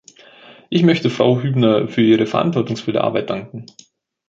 Ich möchte Frau Hübner für ihre verantwortungsvolle Arbeit danken.